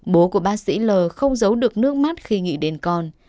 bố của bác sĩ l không giấu được nước mắt khi nghĩ đến con